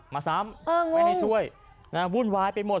มาสั้มเอองงไม่ให้ช่วยนะฮะวุ่นวายไปหมด